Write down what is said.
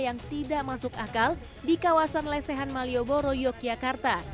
yang tidak masuk akal di kawasan lesehan malioboro yogyakarta